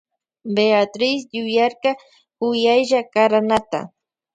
Beatriz yuyarka kuyaylla karanata.